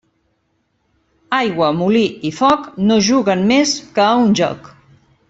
Aigua, molí i foc, no juguen més que a un joc.